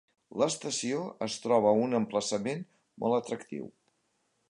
L"estació es troba a un emplaçament molt atractiu.